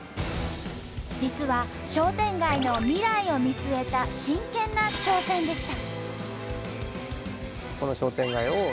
実は商店街の未来を見据えた真剣な挑戦でした。